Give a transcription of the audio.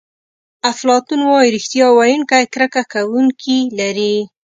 افلاطون وایي ریښتیا ویونکی کرکه کوونکي لري.